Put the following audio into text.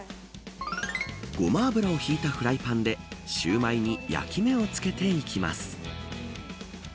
ごま油を引いたフライパンでシューマイに焼き目をつけていきます。